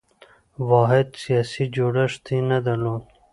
واحد سیاسي جوړښت یې نه درلود.